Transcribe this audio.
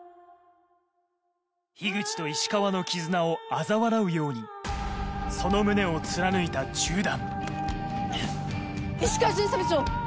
口と石川の絆をあざ笑うようにその胸を貫いた銃弾石川巡査部長！